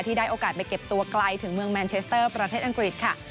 ได้โอกาสไปเก็บตัวไกลถึงเมืองแมนเชสเตอร์ประเทศอังกฤษค่ะ